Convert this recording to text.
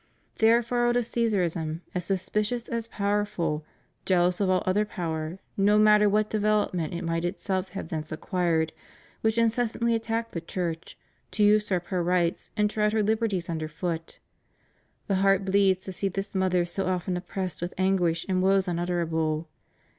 There followed a Caesarism as sus picious as powerful, jealous of all other power, no matter what development it might itself have thence acquired, which incessantly attacked the Church, to usurp her rights and tread her liberties under foot. The heart bleeds to see this mother so often oppressed with anguish and woes unutterable.